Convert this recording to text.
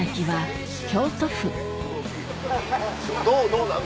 どうなん？